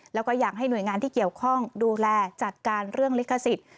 แล้วก็อยากให้หน่วยงานที่เกี่ยวข้องดูแลจัดการเรื่องลิขสิทธิ์